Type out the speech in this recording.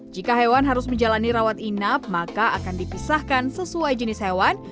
jika hewan harus menjalani rawat inap maka akan dipisahkan sesuai jenis hewan